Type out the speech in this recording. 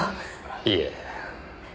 いえ。